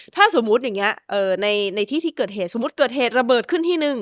ถ้าสมมุติอย่างนี้ในที่ที่เกิดเหตุสมมุติเกิดเหตุระเบิดขึ้นที่หนึ่ง